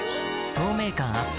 透明感アップ